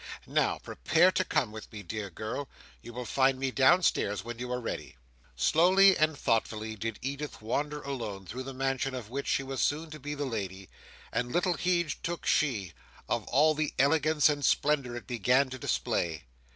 Now, prepare to come with me, dear girl. You will find me downstairs when you are ready." Slowly and thoughtfully did Edith wander alone through the mansion of which she was so soon to be the lady: and little heed took she of all the elegance and splendour it began to display.